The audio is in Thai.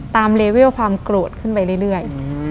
เลเวลความโกรธขึ้นไปเรื่อย